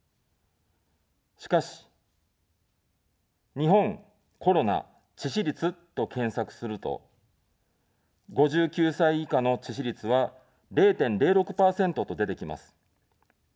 しかし、日本、コロナ、致死率と検索すると、５９歳以下の致死率は０．０６％と出てきます。